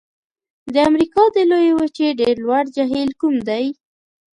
د امریکا د لویې وچې ډېر لوړ جهیل کوم دی؟